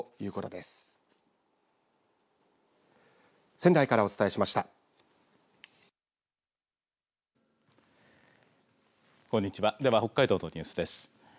では、北海道のニュースです。